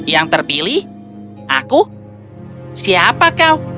yang terpilih aku siapa kau